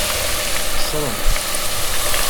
Txeṣremt.